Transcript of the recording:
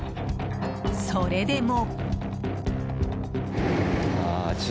それでも。